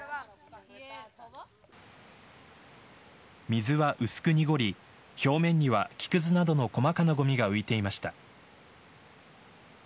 水は、薄く濁り表面には木くずなどの細かなごみが浮いていました。